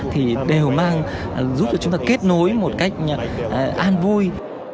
thì đều mang giúp cho chúng ta kết nối một cách an vui